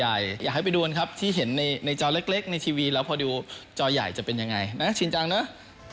อยากให้ไปดูกันครับที่เห็นในจอเล็กในทีวีแล้วพอดูจอใหญ่จะเป็นยังไงน่าชินจังนะ